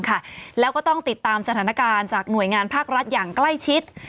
แล้วก็ต้องติดตามสถานการณ์จากหน่วยงานภาครัฐอย่างใกล้ชิด